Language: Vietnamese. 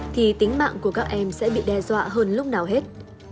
thì tính mạng của các em sẽ bị đe dọa hơn lúc nào hết